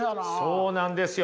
そうなんですよ。